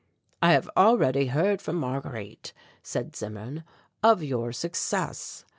"I have already heard from Marguerite," said Zimmern, "of your success."